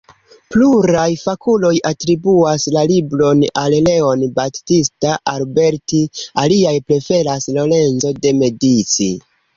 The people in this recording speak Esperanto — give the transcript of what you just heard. Pluraj fakuloj atribuas la libron al Leon Battista Alberti, aliaj preferas Lorenzo de Medici.